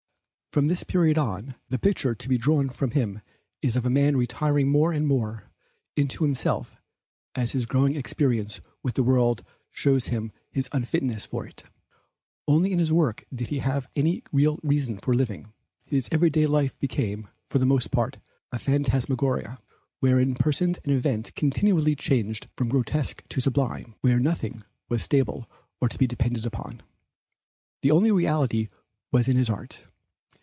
From this period on, the picture to be drawn of him is of a man retiring more and more into himself as his growing experience with the world shows him his unfitness for it. Only in his work did he have any real reason for living. His every day life became, for the most part, a phantasmagoria, wherein persons and events continually changed from grotesque to sublime, where nothing was stable or to be depended upon. The only reality was in his art.